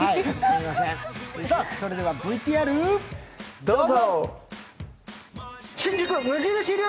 それではＶＴＲ、どうぞ！